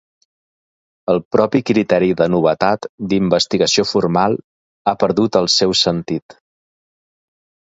El propi criteri de novetat, d'investigació formal, ha perdut el seu sentit.